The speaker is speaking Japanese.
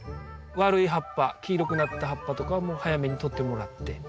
悪い葉っぱ黄色くなった葉っぱとかはもう早めにとってもらって。